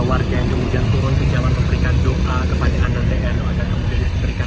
warga yang kemudian turun ke jalan memberikan doa kepada ananda yang akan kemudian diberikan